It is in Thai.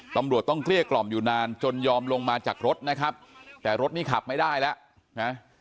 ตำรวจต้องเกลี้ยกล่อมอยู่นานจนยอมลงมาจากรถนะครับแต่รถนี่ขับไม่ได้แล้วนะ